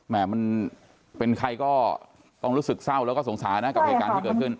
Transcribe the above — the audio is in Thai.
มันเป็นใครก็ต้องรู้สึกเศร้าแล้วก็สงสารนะกับเหตุการณ์ที่เกิดขึ้น